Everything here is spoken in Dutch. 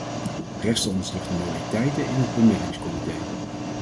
Resten ons nog de modaliteiten in het bemiddelingscomité.